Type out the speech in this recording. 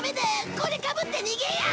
これかぶって逃げよう！